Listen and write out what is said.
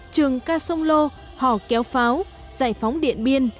trường ca sông lô hò kéo pháo giải phóng điện biên